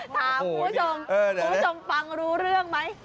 ถามคุณผู้ชมคุณผู้ชมฟังรู้เรื่องไหม